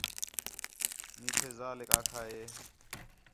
میٹھے ذالیک آکھا ہے